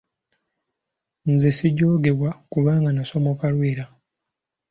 Nze sijoogebwa kubanga nnasamoka Lwera.